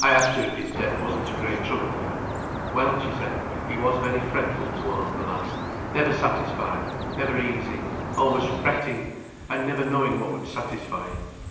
I asked her if his death wasn't a great trouble to her. 'Well,' she said, 'he was very fretful towards the last, never satisfied, never easy, always fret fretting, an' never knowing what would satisfy him.